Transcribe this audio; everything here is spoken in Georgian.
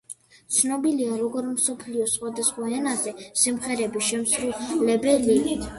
ცნობილია როგორ მსოფლიოს სხვადასხვა ენაზე სიმღერების შემსრულებელი.